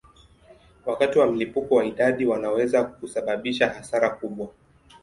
Wakati wa mlipuko wa idadi wanaweza kusababisha hasara kubwa.